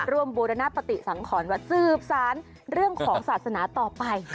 บูรณปฏิสังขรว่าสืบสารเรื่องของศาสนาต่อไป